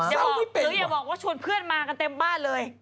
อย่าบอกหรืออย่าบอกว่าชวนเพื่อนมากันเต็มบ้านเลย